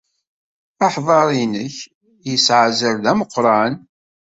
Aḥdaṛ-nnek yesɛa azal d ameqran.